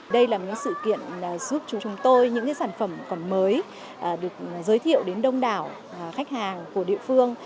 đây là một sự kiện giúp chúng tôi những sản phẩm còn mới được giới thiệu đến đông đảo khách hàng của địa phương